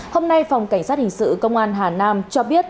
hôm nay phòng cảnh sát hình sự công an hà nam cho biết